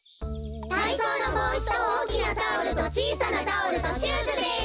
たいそうのぼうしとおおきなタオルとちいさなタオルとシューズです。